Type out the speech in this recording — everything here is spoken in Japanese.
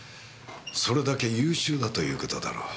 それだけ優秀だという事だろう。